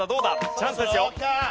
チャンスですよ。